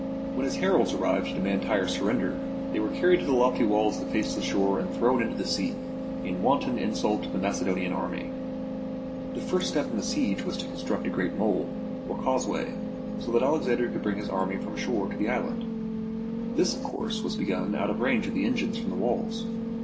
When his heralds arrived to demand Tyre's surrender, they were carried to the lofty walls that faced the shore and thrown into the sea, in wanton insult to the Macedonian army. The first step in the siege was to construct a SIEGE OF TYRE great mole, or causeway, so that Alexander could bring his army from the shore to the island. This, of course, was begun out of range of the engines from the walls.